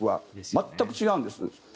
全く違うんです。